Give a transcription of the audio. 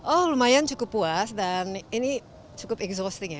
oh lumayan cukup puas dan ini cukup exousting ya